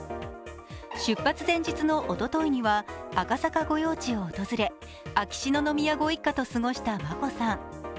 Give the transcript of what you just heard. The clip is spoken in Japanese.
出発前日のおとといには、赤坂御用地を訪れ秋篠宮ご一家と過ごした眞子さん。